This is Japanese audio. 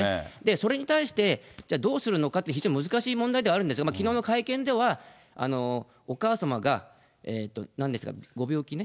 それに対して、じゃあ、どうするのかって、非常に難しい問題ではあるんですが、きのうの会見では、お母様がなんですか、ご病気ね。